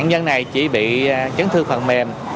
những nạn nhân này chỉ bị chấn thương phần mềm